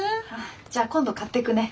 じゃあ今度買ってくね。